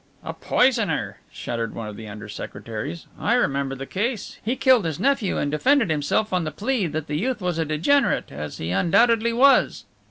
"A poisoner!" shuddered one of the under secretaries. "I remember the case. He killed his nephew and defended himself on the plea that the youth was a degenerate, as he undoubtedly was."